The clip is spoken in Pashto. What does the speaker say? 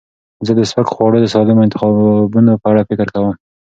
زه د سپک خواړو د سالمو انتخابونو په اړه فکر کوم.